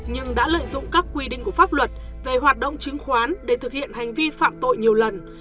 nhưng đã lợi dụng các quy định của pháp luật về hoạt động chứng khoán để thực hiện hành vi phạm tội nhiều lần